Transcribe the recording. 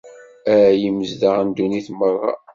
Ay imezdaɣ n ddunit merra!